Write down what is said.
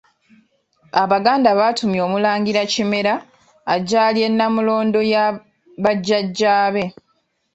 Abaganda baatumya omulangira Kimera ajje alye Nnamulondo ya bajjajjaabe.